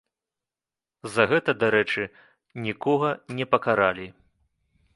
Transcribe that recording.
За гэта, дарэчы, нікога не пакаралі.